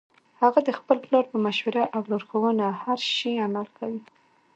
هغه د خپل پلار په مشوره او لارښوونه هر شي عمل کوي